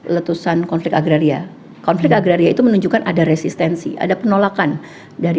letusan konflik agraria konflik agraria itu menunjukkan ada resistensi ada penolakan dari